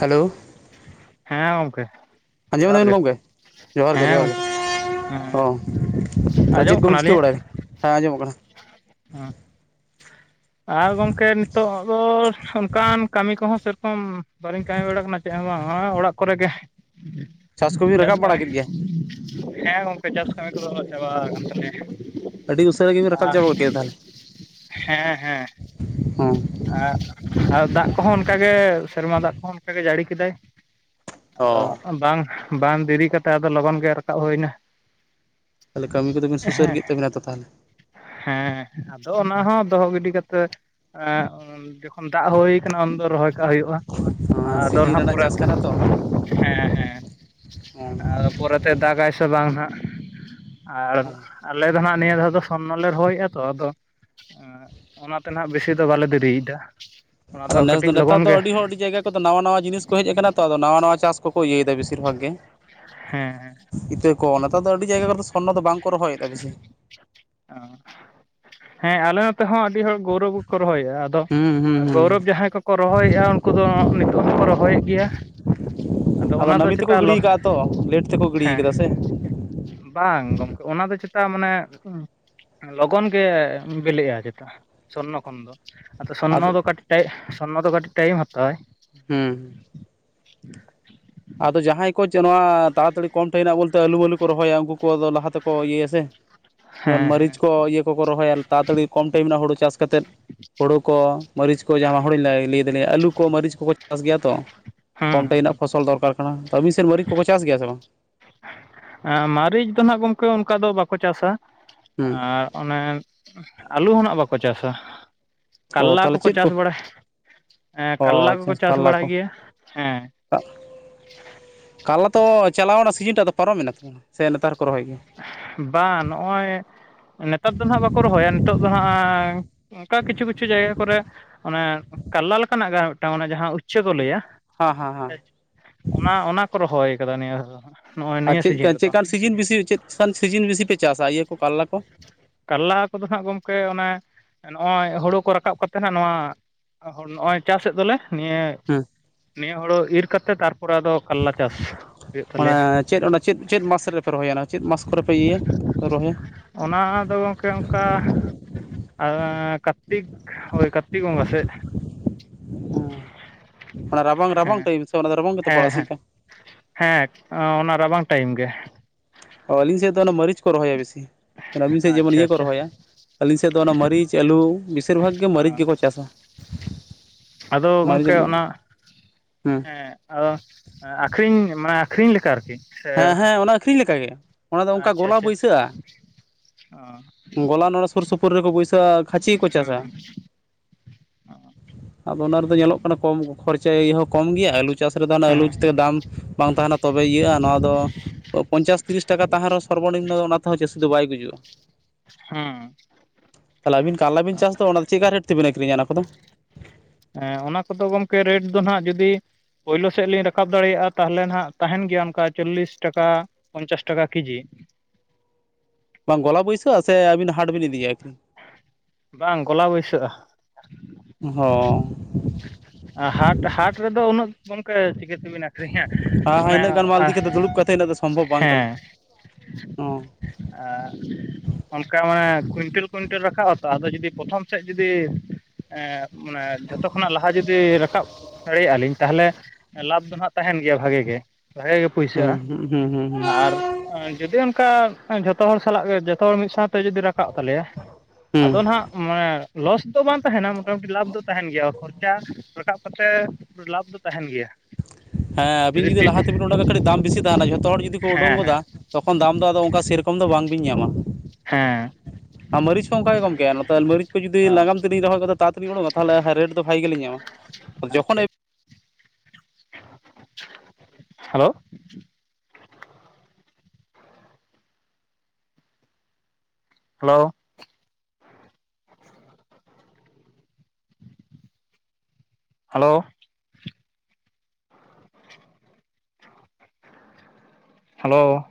Hello. ᱦᱮᱸ ᱜᱚᱢᱠᱮ ᱟᱸᱡᱚᱢ ᱡᱚᱦᱟᱨ ᱫᱟᱵᱤᱱ ᱜᱮ ᱜᱚᱝᱠᱮ? ᱡᱚᱦᱟᱸᱨ ᱜᱮ ᱦᱮᱸ ᱡᱚᱦᱟᱸᱨ ᱜᱚᱢᱠᱮ ᱜᱮ ᱦᱮᱸ ᱦᱚᱸ᱾ ᱟᱸᱡᱚᱢᱚᱜ ᱠᱟᱱᱟ ᱟᱞᱤᱧᱟᱜ? ᱦᱮᱸ ᱟᱸᱡᱚᱢᱚᱜ ᱠᱟᱱᱟ ᱟᱨ ᱜᱚᱝᱠᱮ ᱱᱤᱛᱚᱜ ᱫᱚ ᱚᱝᱠᱟᱱ ᱠᱟᱹᱢᱤ ᱠᱚᱦᱚᱸ ᱥᱮᱨᱠᱚᱢ ᱵᱟᱹᱞᱤᱧ ᱠᱟᱹᱢᱤ ᱵᱟᱲᱟᱜ ᱠᱟᱱᱟ ᱪᱮᱫ ᱦᱚᱸ ᱵᱟᱝ, ᱦᱚᱸᱜ-ᱚᱭ ᱚᱲᱟᱜ ᱠᱚᱨᱮ ᱜᱮ ᱠᱚᱵᱤᱱ ᱪᱟᱥ ᱨᱟᱠᱟᱵ ᱵᱟᱲᱟ ᱠᱟᱹᱢᱤ᱾ ᱠᱮᱫ ᱜᱮᱭᱟ ᱦᱮᱸ ᱜᱚᱝᱠᱮ ᱪᱟᱥ ᱠᱟᱹᱢᱤ ᱠᱚᱫᱚ ᱦᱟᱸᱜ ᱪᱟᱵᱟ ᱟᱠᱟᱱ ᱟᱹᱰᱤ ᱩᱥᱟᱹᱨᱟ ᱜᱮᱵᱤᱱ ᱛᱟᱞᱮᱭᱟ᱾ ᱨᱟᱠᱟᱵ ᱟᱷ ᱪᱟᱵᱟ ᱜᱚᱫ ᱠᱮᱫᱟ ᱛᱟᱦᱚᱞᱮ ᱦᱮᱸ ᱦᱮᱸ᱾ ᱦᱚᱸ ᱟᱨ, ᱟᱨ ᱫᱟᱜ ᱠᱚᱦᱚᱸ ᱚᱱᱠᱟᱜᱮ ᱥᱮᱨᱢᱟ ᱫᱟᱜ ᱠᱚᱦᱚᱸ ᱚᱱᱠᱟᱜᱮ ᱡᱟᱹᱲᱤ ᱠᱮᱫᱟᱭ᱾ ᱚ ᱟᱫᱚ ᱛᱟᱦᱚᱞᱮ ᱵᱟᱝ, ᱵᱟᱝ ᱫᱮᱨᱤ ᱠᱟᱛᱮ ᱟᱫᱚ ᱞᱚᱜᱚᱱ ᱜᱮ ᱨᱟᱠᱟᱵ ᱦᱳᱭᱮᱱᱟ᱾ ᱛᱟᱦᱚᱞᱮ ᱠᱟᱹᱢᱤ ᱠᱚᱫᱚ ᱵᱤᱱ ᱥᱩᱥᱟᱹᱨ ᱦᱮᱸ ᱠᱮᱫ ᱛᱟᱵᱤᱱᱟ ᱛᱚ ᱛᱟᱦᱚᱞᱮ? ᱦᱮᱸ ᱟᱫᱚ ᱚᱱᱟ ᱦᱚᱸ ᱫᱚᱦᱚ ᱜᱤᱰᱤ ᱠᱟᱛᱮ ᱮᱸ ᱡᱚᱠᱷᱚᱱ ᱫᱟᱜ ᱦᱳᱭ ᱠᱟᱱᱟ ᱩᱱ ᱫᱚ ᱨᱚᱦᱚᱭ ᱠᱟᱜ ᱦᱳᱭᱳᱜᱼᱟ, ᱛᱟᱦᱚᱞᱮ ᱟᱫᱚ ᱥᱤᱡᱤᱱ ᱱᱟᱦᱟᱜ ᱨᱮᱱᱟᱜ ᱪᱟᱥ ᱯᱚᱨᱮᱛᱮ, ᱠᱟᱱᱟ ᱛᱚ ᱦᱮᱸ ᱦᱮᱸ ᱦᱮᱸ, ᱟᱫᱚ ᱯᱚᱨᱮᱛᱮ ᱫᱟᱜᱟ ᱥᱮ ᱵᱟᱝ ᱦᱟᱸᱜ᱾ ᱟᱨ ᱦᱮᱸ ᱟᱞᱮ ᱫᱚ ᱱᱟᱦᱟᱜ ᱱᱤᱭᱟᱹ ᱫᱷᱟᱣ ᱫᱚ ᱥᱚᱨᱱᱚ ᱞᱮ ᱨᱚᱦᱚᱭᱮᱜᱼᱟ ᱛᱚ ᱟᱫᱚ ᱚᱱᱟᱛᱮ ᱱᱟᱦᱟᱜ ᱵᱮᱥᱤ ᱫᱚ ᱵᱟᱞᱮ ᱫᱮᱨᱤᱭᱮᱫᱟ᱾ ᱚᱱᱟ ᱟᱫᱚ ᱱᱮᱥ ᱫᱚ ᱠᱟᱹᱴᱤᱡ ᱱᱮᱛᱟᱨ ᱞᱚᱜᱚᱱ ᱫᱚ ᱜᱮ ᱟᱹᱰᱤ ᱦᱚᱲ ᱟᱹᱰᱤ ᱡᱟᱭᱜᱟ ᱠᱚᱫᱚ ᱱᱟᱣᱟ ᱱᱟᱣᱟ ᱡᱤᱱᱤᱥ ᱠᱚ ᱦᱮᱡ ᱟᱠᱟᱱᱟ ᱛᱚ, ᱟᱫᱚ ᱱᱟᱣᱟ ᱱᱟᱣᱟ ᱪᱟᱹᱥ ᱠᱚᱠᱚ ᱤᱭᱟᱹᱭᱮᱫᱟ ᱵᱮᱥᱤ ᱥᱤᱨ ᱵᱷᱟᱜᱽ ᱜᱮ, ᱦᱮᱸ ᱤᱛᱟᱹ ᱠᱚ ᱱᱮᱛᱟᱨ ᱫᱚ ᱟᱹᱰᱤ ᱡᱟᱭᱜᱟ ᱠᱚᱨᱫᱚ ᱥᱚᱨᱱᱚ ᱫᱚ ᱵᱟᱝ ᱠᱚ ᱨᱚᱦᱚᱭᱮᱫᱼᱟ ᱵᱮᱥᱤ᱾ ᱚ, ᱦᱮᱸ ᱟᱞᱮ ᱱᱚᱛᱮ ᱦᱚᱸ ᱟᱹᱰᱤ ᱦᱚᱲ ᱜᱚᱨᱚᱵᱽ ᱠᱚᱠᱚ ᱨᱚᱦᱚᱭᱮᱜ-ᱟ, ᱟ ᱫᱚ, ᱦᱩᱸ ᱦᱩᱸ ᱮᱸ ᱜᱳᱨᱚᱵᱽ ᱦᱩᱸ ᱡᱟᱦᱟᱸᱭ ᱠᱚᱠᱚ ᱨᱚᱦᱚᱭᱮᱜᱼᱟ ᱩᱱᱠᱩ ᱫᱚ ᱱᱤᱛᱚᱜ ᱦᱚᱸᱠᱚ ᱨᱚᱦᱚᱭᱮᱫ ᱜᱮᱭᱟ᱾ ᱟᱫᱚ ᱚᱱᱟ ᱫᱚ ᱱᱟᱹᱵᱤ ᱛᱮᱠᱚ ᱪᱮᱛᱟ ᱜᱤᱲᱤ ᱞᱚ ᱠᱟᱜᱼᱟ ᱛᱚ, ᱞᱮᱹᱴ ᱛᱮᱠᱚ ᱜᱤᱲᱤ ᱦᱮᱸ ᱠᱟᱫᱟ ᱥᱮ᱾ ᱵᱟᱝ ᱜᱚᱝᱠᱮ ᱚᱱᱟ ᱫᱚ ᱪᱮᱛᱟ ᱢᱟᱱᱮ ᱞᱚᱜᱚᱱ ᱜᱮ ᱵᱮᱞᱮᱜᱼᱟ ᱪᱮᱛᱟᱹ ᱥᱚᱨᱱᱚ ᱠᱷᱚᱱ ᱫᱚ ᱟᱫᱚ ᱥᱚᱨᱱᱚ ᱫᱚ ᱠᱟᱹᱴᱤᱡ ᱴᱟᱭ ᱥᱚᱨᱱᱚ ᱫᱚ ᱠᱟᱹᱴᱤᱡ ᱴᱟᱭᱤᱢ ᱦᱟᱛᱟᱣᱟᱭ᱾ ᱦᱩᱸ᱾ ᱟᱫᱚ ᱡᱟᱦᱟᱸᱭ ᱠᱚ ᱪᱮᱜ ᱱᱚᱣᱟ ᱛᱟᱲᱟ ᱛᱟᱲᱤ ᱠᱚᱢ ᱴᱟᱭᱤᱱᱟᱜ ᱵᱚᱞᱛᱮ ᱟᱹᱞᱩ ᱢᱟᱹᱞᱩ ᱠᱚ ᱨᱚᱦᱚᱭᱟ ᱩᱝᱠᱩ ᱠᱚ ᱟᱫᱚ ᱞᱟᱦᱟ ᱛᱮᱠᱚ ᱤᱭᱟᱹᱭᱟ ᱥᱮ, ᱡᱮᱢᱚᱱ ᱦᱮᱸ ᱦᱮᱸ ᱢᱟᱹᱨᱤᱪ ᱠᱚ ᱤᱭᱟᱹ ᱠᱚᱠᱚ ᱨᱚᱦᱚᱭᱟ ᱛᱟᱲᱟᱼᱛᱟᱲᱤ ᱠᱚᱢ ᱴᱟᱭᱤᱢ ᱨᱮᱱᱟᱜ ᱦᱩᱲᱩ ᱪᱟᱥ ᱠᱟᱛᱮᱫ ᱦᱳᱲᱳ ᱠᱚ, ᱢᱟᱹᱨᱤᱪ ᱠᱚ, ᱡᱟᱦᱟᱸ [unintelligible] ᱞᱟᱹᱭ ᱫᱟᱲᱮᱭᱟᱜᱼᱟ ᱟᱹᱞᱩ ᱠᱚ, ᱢᱟᱹᱨᱤᱪ ᱠᱚᱠᱚ ᱪᱟᱥ ᱜᱮᱭᱟ ᱛᱚ᱾ ᱠᱚᱢ ᱦᱮᱸ ᱴᱟᱭᱤᱢ ᱦᱮᱸ ᱨᱮᱱᱟᱜ ᱯᱷᱚᱥᱚᱞ ᱫᱚᱨᱠᱟᱨ ᱠᱟᱱᱟ, ᱛᱚ ᱟᱹᱵᱤᱱ ᱥᱮᱱ ᱢᱟᱹᱨᱤᱪ ᱠᱚᱠᱚ ᱪᱟᱹᱥ ᱜᱮᱭᱟ ᱥᱮ ᱵᱟᱝ? ᱮᱸᱻ ᱢᱟᱹᱨᱤᱪ ᱫᱚ ᱱᱟᱦᱟᱜ ᱜᱚᱝᱠᱮ ᱚᱱᱠᱟ ᱫᱚ ᱵᱟᱠᱚ ᱪᱟᱥᱟ᱾ ᱦᱮᱸ ᱟᱨ ᱚᱱᱮ, ᱟᱹᱞᱩ ᱦᱚᱸ ᱱᱟᱦᱟᱜ ᱵᱟᱠᱚ ᱪᱟᱥᱟ᱾ ᱚ ᱠᱟᱞᱞᱟ ᱛᱟᱦᱚᱞᱮ ᱠᱚᱠᱚ ᱪᱮᱫ ᱠᱚ ᱪᱟᱥ ᱵᱟᱲᱟᱭ, ᱦᱮᱸ ᱚ ᱠᱟᱞᱞᱟ ᱠᱚᱠᱚ ᱪᱟᱥ ᱵᱟᱲᱟᱭ ᱜᱮᱭᱟ ᱦᱮᱸ᱾ ᱠᱟᱞᱞᱟ ᱛᱚ ᱪᱟᱞᱟᱣ ᱮᱱᱟ ᱥᱤᱡᱤᱱ ᱴᱟᱜ ᱫᱚ ᱯᱟᱨᱚᱢᱮᱱᱟ, ᱥᱮ ᱱᱮᱛᱟᱨ ᱦᱚᱸᱠᱚ ᱨᱚᱦᱚᱭ ᱜᱮᱭᱟ? ᱵᱟᱝ ᱱᱚᱜᱼᱚᱭ, ᱱᱮᱛᱟᱨ ᱫᱚ ᱱᱟᱦᱟᱜ ᱵᱟᱠᱚ ᱨᱚᱦᱚᱭᱟ ᱱᱤᱛᱚᱜ ᱫᱚ ᱦᱟᱸᱜᱻ ᱚᱝᱠᱟ ᱠᱤᱪᱷᱩ ᱠᱤᱪᱷᱩ ᱡᱟᱭᱜᱟ ᱠᱚᱨᱮ, ᱚᱱᱮ ᱠᱟᱞᱞᱟ ᱞᱮᱠᱟᱱᱟᱜ ᱜᱮ ᱟᱨ ᱢᱤᱫᱴᱟᱝ ᱚᱱᱮ ᱡᱟᱦᱟᱸ ᱩᱪᱪᱷᱟᱹ ᱠᱚ ᱞᱟᱹᱭᱟ, ᱦᱮᱸ ᱦᱮᱸ ᱦᱮᱸ [inaudible] ᱚᱱᱟ ᱚᱱᱟ ᱠᱚ ᱨᱚᱦᱚᱭ ᱠᱟᱫᱟ ᱱᱤᱭᱟᱹ ᱫᱷᱟᱣ ᱱᱚᱜᱼᱚᱭ ᱟᱨ ᱱᱤᱭᱟᱹ ᱪᱮᱫ ᱥᱤᱡᱤᱱ ᱨᱮᱫᱚ᱾ ᱪᱮᱫᱠᱟᱱ ᱥᱤᱡᱤᱱ ᱵᱮᱥᱤ ᱪᱮᱫ ᱥᱟᱱ ᱥᱤᱡᱤᱱ ᱵᱮᱥᱤ ᱯᱮ ᱪᱟᱥᱟ ᱤᱭᱟᱹ ᱠᱚ ᱠᱟᱨᱞᱟ ᱠᱚ? ᱠᱟᱨᱞᱟ ᱠᱚᱫᱚ ᱱᱟᱦᱟᱜ ᱜᱚᱝᱠᱮ ᱚᱱᱮ ᱱᱚᱜᱼᱚᱭ ᱦᱩᱲᱩ ᱠᱚ ᱨᱟᱠᱟᱵ ᱠᱟᱛᱮᱜ ᱱᱟᱦᱟᱜ ᱱᱚᱣᱟ, ᱱᱚᱜᱼᱚᱭ ᱪᱟᱥᱮᱫ ᱫᱚᱞᱮ ᱱᱤᱭᱟᱹ ᱦᱮᱸ ᱱᱤᱭᱟᱹ ᱦᱩᱲᱩ ᱤᱨ ᱠᱟᱛᱮ ᱛᱟᱨᱯᱚᱨᱮ ᱟᱫᱚ ᱠᱟᱞᱞᱟ ᱪᱟᱥ ᱦᱩᱭᱩᱜ ᱛᱟᱞᱮᱭᱟ᱾ ᱚᱱᱟ ᱪᱮᱫ ᱚᱱᱟ ᱪᱮᱫ, ᱪᱮᱫ ᱢᱟᱥ ᱨᱮᱯᱮ ᱨᱚᱦᱚᱭ-ᱟ ᱚᱱᱟ ᱪᱮᱫ ᱢᱟᱥ ᱠᱚᱨᱮ ᱯᱮ ᱤᱭᱟᱹ ᱨᱚᱦᱚᱭ-ᱟ? ᱚᱱᱟ ᱫᱚ ᱜᱚᱝᱠᱮ ᱚᱝᱠᱟ ᱟᱸᱻ ᱠᱟᱛᱤᱠ ᱳᱭ ᱠᱟᱛᱤᱠ ᱵᱚᱸᱜᱟ ᱥᱮᱜ ᱾ [inaudible] ᱚᱱᱟ ᱨᱟᱵᱟᱝ, ᱨᱟᱵᱟᱝ ᱦᱮᱸ ᱴᱟᱭᱤᱢ ᱥᱮ ᱚᱱᱟ ᱫᱚ ᱨᱟᱵᱟᱝ ᱜᱮᱛᱚ ᱦᱮᱸ ᱯᱟᱲᱟᱜ ᱥᱤᱜ ᱦᱮᱸ ᱠᱟ ᱦᱮᱸ ᱚᱱᱟ ᱨᱟᱵᱟᱝ ᱴᱟᱭᱤᱢ ᱜᱮ᱾ ᱚ ᱟᱹᱞᱤᱧ ᱥᱮᱫ ᱫᱚ ᱚᱱᱟ ᱢᱟᱹᱨᱤᱪ ᱠᱚ ᱨᱚᱦᱚᱭ-ᱟ᱾ ᱟᱹᱵᱤᱱ ᱥᱮᱫ ᱡᱮᱢᱚᱱ ᱟᱪᱪᱷᱟ ᱤᱭᱟᱹ ᱠᱚ ᱟᱪᱪᱷᱟ ᱨᱚᱦᱚᱭ-ᱟ᱾ ᱟᱹᱞᱤᱧ ᱥᱮᱫ ᱫᱚ ᱚᱱᱟ ᱢᱟᱹᱨᱤᱪ, ᱟᱹᱞᱩ ᱵᱮᱥᱤᱨ ᱵᱷᱟᱜᱽ ᱜᱮ ᱢᱟᱹᱨᱤᱪ ᱜᱮᱠᱚ ᱪᱟᱥ-ᱟ ᱾ ᱟᱫᱚ ᱜᱚᱝᱠᱮ ᱚᱱᱟ ᱦᱮᱸ᱾ ᱚᱸᱻ ᱟᱹᱠᱷᱨᱤᱧ ᱢᱟᱱᱮ ᱟᱹᱠᱷᱨᱤᱧ ᱞᱮᱠᱟ ᱟᱨᱠᱤ᱾ ᱥᱮ ᱦᱮᱸ, ᱦᱮᱸ ᱚᱱᱟ ᱟᱹᱠᱷᱟᱨᱤᱧ ᱞᱮᱠᱟᱜ ᱜᱮ ᱚᱱᱟ ᱫᱚ ᱚᱱᱠᱟ ᱜᱚᱞᱟ ᱵᱟᱹᱭᱥᱟᱹᱜ-ᱟ᱾ ᱚ ᱜᱚᱞᱟ ᱱᱚᱰᱮ ᱥᱩᱨ ᱥᱩᱯᱩᱨ ᱨᱮᱠᱚ ᱵᱟᱹᱭᱥᱟᱹᱜ-ᱟ ᱠᱷᱟᱹᱪᱤ ᱠᱚ ᱦᱮᱸ ᱪᱟᱥ-ᱟ᱾ ᱟᱫᱚ ᱚᱱᱟ ᱨᱮᱫᱚ ᱧᱮᱞᱚᱜ ᱠᱟᱱᱟ ᱠᱚᱢ ᱠᱷᱚᱨᱪᱟᱭᱤ ᱦᱚᱸ ᱠᱚᱢ ᱜᱮᱭᱟ ᱟᱹᱞᱩ ᱪᱟᱥ ᱨᱮᱫᱚ ᱚᱱᱟᱜ ᱟᱹᱞᱩ ᱦᱮᱸ ᱤᱛᱟᱹ ᱫᱟᱢ ᱵᱟᱝ ᱛᱟᱦᱮᱱᱟ ᱛᱚᱵᱮ ᱤᱭᱟᱹᱜ-ᱟ᱾ ᱱᱚᱣᱟ ᱫᱚ ᱯᱚᱧᱪᱟᱥ ᱛᱤᱨᱤᱥ ᱴᱟᱠᱟ ᱛᱟᱦᱮᱸ ᱨᱮᱦᱚᱸ ᱥᱚᱨᱵᱚᱱᱤᱢᱱᱚ ᱚᱱᱟ ᱛᱮᱦᱚᱸ ᱪᱟᱹᱥᱤ ᱫᱚ ᱵᱟᱭ ᱜᱩᱡᱩᱜ-ᱟ᱾ ᱦᱩᱸ᱾ ᱛᱟᱞᱦᱮ ᱟᱵᱤᱱ ᱠᱟᱨᱞᱟᱵᱤᱱ ᱪᱟᱥ ᱫᱚ ᱚᱱᱟ ᱪᱤᱫᱠᱟᱹ ᱨᱮᱴ ᱛᱮᱵᱮᱱ ᱟᱹᱠᱷᱨᱤᱧᱟ ᱚᱱᱟ ᱠᱚᱫᱚ? ᱦᱮᱸ ᱚᱱᱟ ᱠᱚᱫᱚ ᱜᱚᱝᱠᱮ ᱨᱮᱴ ᱫᱚ ᱦᱟᱸᱜ ᱡᱩᱫᱤ ᱯᱳᱭᱞᱳ ᱥᱮᱫ ᱞᱤᱧ ᱨᱟᱠᱟᱵ ᱫᱟᱲᱮᱜ-ᱟ ᱛᱟᱞᱦᱮ ᱱᱟᱸᱜ ᱛᱟᱦᱮᱱ ᱜᱮᱭᱟ ᱚᱱᱠᱟ ᱪᱚᱞᱞᱤᱥ ᱴᱟᱠᱟ᱾ ᱯᱚᱧᱪᱟᱥ ᱴᱟᱠᱟ ᱠᱮᱡᱤ᱾ ᱵᱟᱝ ᱜᱚᱞᱟ ᱵᱟᱹᱭᱥᱟᱹᱜ-ᱟ ᱥᱮ ᱟᱹᱵᱤᱱ ᱦᱟᱴ ᱵᱤᱱ ᱤᱫᱤᱭᱟ ᱟᱹᱠᱷᱨᱤᱧ? ᱵᱟᱝ ᱜᱚᱞᱟ ᱵᱟᱹᱭᱥᱟᱹᱜ-ᱟ᱾ ᱦᱚᱸ᱾ ᱟᱨ ᱦᱟᱴ, ᱦᱟᱴ ᱨᱮᱫᱚ ᱩᱱᱟᱹᱜ ᱜᱚᱝᱠᱮ ᱪᱤᱠᱟᱹ ᱛᱮᱵᱤᱱ ᱟᱹᱠᱷᱨᱤᱧᱟ ᱦᱮᱸ ᱦᱮᱸ ᱢᱟᱱᱮ ᱤᱱᱟᱹᱜ ᱜᱟᱱ ᱢᱟᱞ ᱤᱫᱤ ᱠᱟᱛᱮ ᱫᱩᱲᱩᱵ ᱠᱟᱛᱮ ᱦᱮᱸ᱾ ᱚ ᱟᱨ ᱚᱱᱠᱟ ᱢᱟᱱᱮ ᱠᱩᱭᱱᱴᱮᱞ, ᱠᱩᱭᱤᱱᱴᱮᱞ ᱨᱟᱠᱟᱵᱟ ᱛᱚ ᱟᱫᱚ ᱡᱩᱫᱤ ᱯᱨᱚᱛᱷᱚᱢ ᱥᱮᱫ ᱡᱩᱫᱤ ᱮᱸᱻᱢᱟᱱᱮ ᱡᱷᱚᱛᱚ ᱠᱷᱚᱱᱟᱜ ᱞᱟᱦᱟ ᱡᱩᱫᱤ ᱨᱟᱠᱟᱵ ᱫᱟᱲᱮᱭᱟᱜ-ᱟ ᱞᱤᱧ ᱛᱟᱞᱦᱮ ᱞᱟᱵᱷᱽ ᱫᱚ ᱦᱟᱸᱜ ᱛᱟᱦᱮᱱ ᱜᱮᱭᱟ ᱵᱷᱟᱜᱮ ᱜᱮ ᱵᱷᱟᱜᱮ ᱜᱮ ᱦᱩᱸ ᱯᱩᱭᱥᱟᱹᱜ-ᱟ ᱦᱩᱸ ᱦᱩᱸ ᱦᱩᱸ ᱦᱩᱸ ᱟᱨ ᱡᱩᱫᱤ ᱚᱱᱠᱟ ᱡᱷᱚᱛᱚ ᱦᱚᱲ ᱥᱟᱞᱟᱜ ᱜᱮ ᱡᱚᱛᱚ ᱦᱚᱲ ᱢᱤᱫ ᱥᱟᱣ ᱛᱚ ᱡᱩᱫᱤ ᱨᱟᱠᱟᱵ ᱛᱟᱞᱮᱭᱟ᱾ ᱦᱩᱸ ᱟᱫᱚ ᱱᱟᱜ ᱢᱟᱱᱮ ᱞᱚᱥ ᱫᱚ ᱵᱟᱝ ᱛᱟᱦᱮᱸᱱᱟ᱾ ᱢᱚᱴᱟ ᱢᱩᱴᱤ ᱞᱟᱵᱷᱽ ᱫᱚ ᱛᱟᱦᱮᱱ ᱜᱮᱭᱟ ᱠᱷᱚᱨᱪᱟ ᱨᱟᱠᱟᱵ ᱠᱟᱛᱮ ᱞᱟᱵᱷᱽ ᱫᱚ ᱛᱟᱦᱮᱱ ᱜᱮᱭᱟ᱾ ᱦᱮᱸ ᱟᱹᱵᱤᱱ ᱡᱩᱫᱤ ᱞᱟᱦᱟ ᱛᱮ ᱵᱤᱱ ᱳᱰᱳᱠᱟ ᱠᱟᱹᱴᱤᱡ ᱫᱟᱢ ᱵᱮᱥᱤ ᱛᱟᱦᱮᱱᱟ᱾ ᱡᱷᱚᱛᱚ ᱦᱚᱲ ᱡᱩᱫᱤ ᱠᱚ ᱳᱰᱳᱠ ᱦᱮᱸ ᱦᱮᱸ ᱜᱚᱫᱟ ᱛᱚᱠᱷᱚᱱ ᱫᱟᱢ ᱫᱚ ᱟᱫᱚ ᱚᱱᱠᱟ ᱥᱮ ᱨᱚᱠᱚᱢ ᱫᱚ ᱵᱟᱝ ᱵᱤᱱ ᱧᱟᱢᱟ᱾ ᱦᱮᱸ᱾ ᱟᱨ ᱢᱟᱹᱨᱤᱪ ᱠᱚᱦᱚᱸ ᱚᱱᱠᱟ ᱜᱮ ᱜᱚᱝᱠᱮ ᱱᱚᱛᱮ ᱢᱟᱹᱨᱤᱪ ᱡᱩᱫᱤ ᱚ ᱞᱟᱸᱜᱟᱢ ᱛᱮᱞᱤᱧ ᱨᱚᱦᱚᱭ ᱜᱚᱫᱟ ᱛᱟᱲᱟ ᱛᱟᱲᱤ ᱳᱰᱳᱝ-ᱟ ᱛᱟᱞᱦᱮ ᱨᱮᱴ ᱫᱚ ᱵᱷᱟᱜᱮ ᱜᱮᱞᱤᱧ ᱧᱟᱢᱟ᱾ ᱡᱚᱠᱷᱚᱱ ᱟᱪᱪᱷᱟ ᱦᱮᱞᱳ ᱦᱮᱞᱳ ᱦᱮᱞᱳ ᱦᱮᱞᱳ